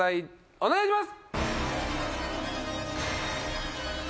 お願いします！